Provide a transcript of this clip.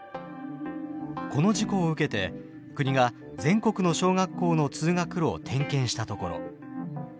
この事故を受けて国が全国の小学校の通学路を点検したところ。